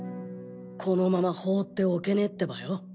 このまま放っておけねえってばよ。